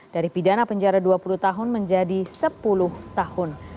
dari pidana penjara dua puluh tahun menjadi sepuluh tahun